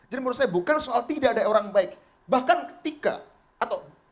jadi menurut saya bukan soal tidak ada orang baik bahkan ketika atau